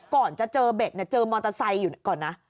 ก่อนจะเจอเบ็ดเนี่ยเจอมอเตอร์ไซค์อยู่ก่อนนะ